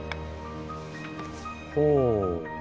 ほう。